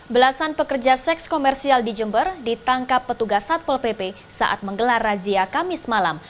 belasan pekerja seks komersial di jember ditangkap petugas satpol pp saat menggelar razia kamis malam